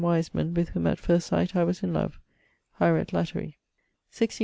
Wiseman, with whom at first sight I was in love haeret lateri.